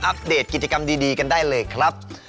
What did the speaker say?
เดตกิจกรรมดีกันได้เลยครับ